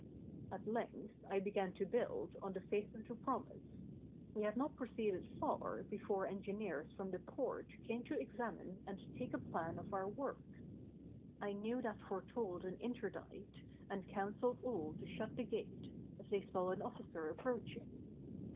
At length, I began to build, on the faith of the 569 TURKEY promise. We had not proceeded far, before engineers from the Porte came to examine and take a plan of our works. I knew that foretold an interdict, and counseled all to shut the gate, if they saw an ofiSicer approaching.